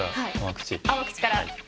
甘口から。